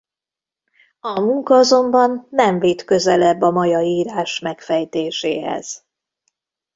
A munka azonban nem vitt közelebb a maja írás megfejtéséhez.